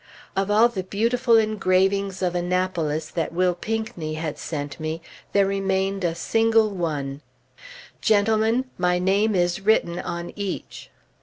Of all the beautiful engravings of Annapolis that Will Pinckney had sent me, there remained a single one. Gentlemen, my name is written on each!